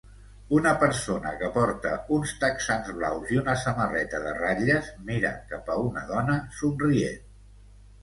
Una persona que porta uns texans blaus i una samarreta de ratlles mira cap a una dona somrient.